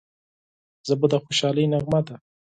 ژبه د خوشحالۍ نغمه ده